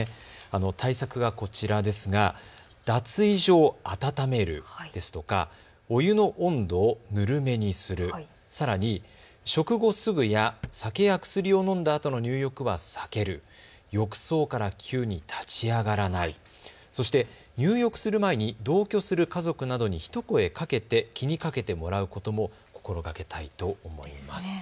対策がこちらですが脱衣所を暖めるですとか、お湯の温度をぬるめにする、さらに食後すぐや酒や薬を飲んだあとの入浴は避ける、浴槽から急に立ち上がらない、そして入浴する前に同居する家族などに一声かけて気にかけてもらうことも心がけたいと思います。